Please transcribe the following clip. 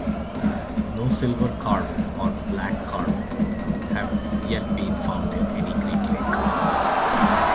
No silver carp or black carp have yet been found in any Great Lake.